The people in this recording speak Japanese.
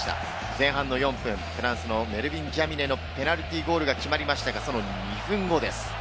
前半４分、フランスのメルヴィン・ジャミネのペナルティーキックが決まりましたが、その２分後。